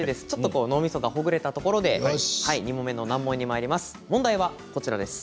ちょっと脳みそがほぐれたところで２問目の難問になります。